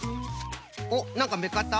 おっなんかめっかった？